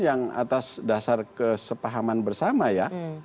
yang atas dasar kesepahaman bersama ya